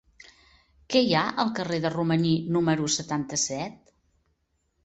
Què hi ha al carrer de Romaní número setanta-set?